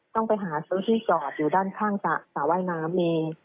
ต้องไปหาซื้อที่จอดอยู่ด้านข้างสระว่ายน้ำเอง